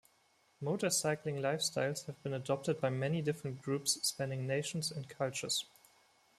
Motorcycling lifestyles have been adopted by many different groups spanning nations and cultures.